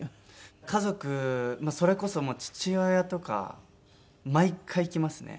家族それこそ父親とか毎回来ますね。